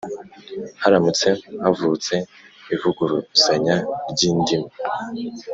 Haramutse havutse ivuguruzanya ry indimi